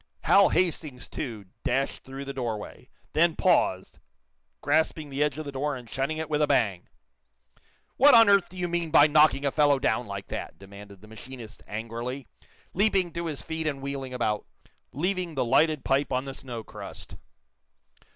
Hal Hastings, too, dashed through the door way; then paused, grasping the edge of the door and shutting it with a bang. "What on earth do you mean by knocking a fellow down like that?" demanded the machinist, angrily, leaping to his feet and wheeling about, leaving the lighted pipe on the snowcrust.